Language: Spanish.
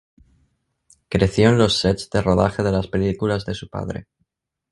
Creció en los "sets" de rodaje de las películas de su padre.